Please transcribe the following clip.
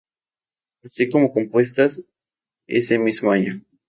Así como compuestas ese mismo año.